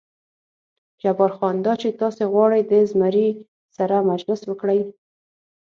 جبار خان: دا چې تاسې غواړئ د زمري سره مجلس وکړئ.